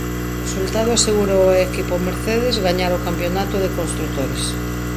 O resultado asegurou ao equipo Mercedes gañar o campionato de construtores.